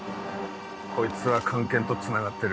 こいつは菅研とつながってる。